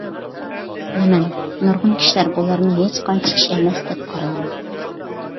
بىلىمەن، نۇرغۇن كىشىلەر بۇلارنى ھېچقانچە ئىش ئەمەس دەپ قارايدۇ.